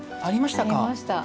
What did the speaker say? ありましたか。